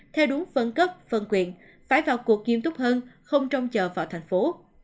theo đúng phân cấp phân quyền phải vào cuộc nghiêm túc hơn không trông chờ vào thành phố